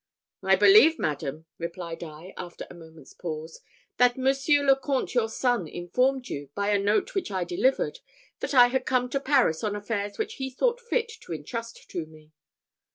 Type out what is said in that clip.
"I believe, Madam," replied I, after a moment's pause, "that Monsieur le Comte your son informed you, by a note which I delivered, that I had to come to Paris on affairs which he thought fit to intrust to me."